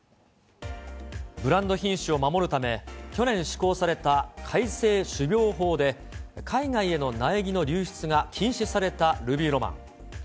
ブランド品種を守るため、去年施行された改正種苗法で、海外への苗木の流出が禁止されたルビーロマン。